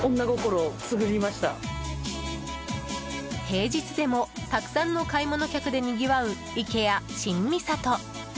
平日でも、たくさんの買い物客でにぎわうイケア新三郷。